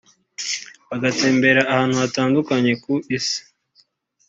bagatembera ahantu hatandukanye ku isi